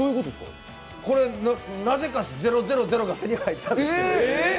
これなぜか０００。